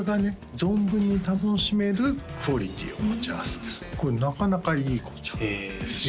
存分に楽しめるクオリティーを持ち合わせてるこれなかなかいい子ちゃんなんですよ